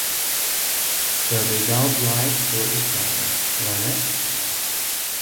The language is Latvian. Tev bija daudz laika, to izplānot, vai ne?